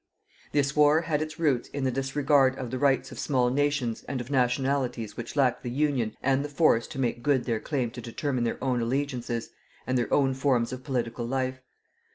"This war had its roots in the disregard of the rights of small nations and of nationalities which lacked the union and the force to make good their claim to determine their own allegiances and their own forms of political life.